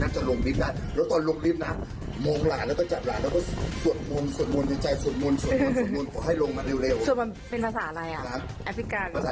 สวดบนยังไงสวดมุนยังไง